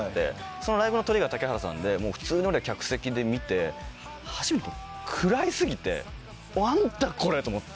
そのライブのトリが竹原さんでもう普通に俺客席で見て初めて食らい過ぎて何だこれと思って。